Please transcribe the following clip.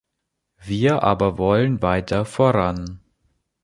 Wir aber wollen weiter voran.